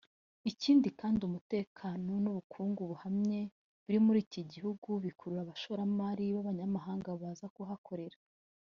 Ikindi kandi umutekano n’ubukungu buhamye biri muri iki gihugu bikurura abashoramari b’abanyamahanga baza kuhakorera